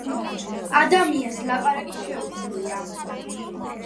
ადამიანს ლაპარაკი შეუძლია